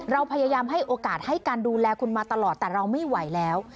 เราพยายามให้โอกาสให้การดูแลคุณมาตลอดแต่เราไม่ไหวแล้ว